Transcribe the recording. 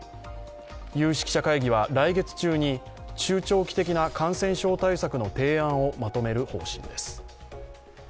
有識者会議は来月中に中長期的な感染症対策の提案をまとめる方針です。